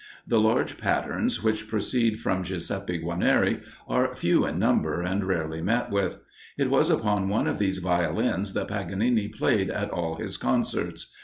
The large patterns which proceed from Giuseppe Guarnieri are few in number, and rarely met with. It was upon one of these Violins that Paganini played at all his concerts.